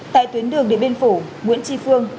tại tuyến đường đến bên phủ nguyễn tri phương